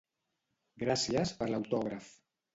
Gràcies per l'autògraf.